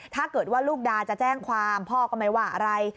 ถ้าเกิดว่าลูกดาจะแจ้งความพ่อก็ไม่ว่าอะไร